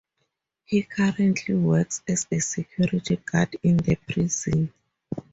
He currently works as a security guard in the prison.